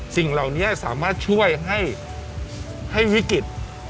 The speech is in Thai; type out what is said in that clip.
สิ่งเหล่านี้สามารถช่วยให้วิกฤต